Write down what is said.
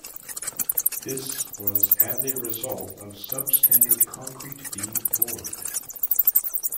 This was as a result of sub-standard concrete being poured.